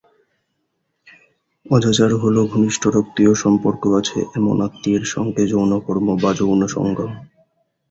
অজাচার হলো ঘনিষ্ঠ রক্তীয় সম্পর্ক আছে এমন আত্মীয়ের সঙ্গে যৌনকর্ম বা যৌনসঙ্গম।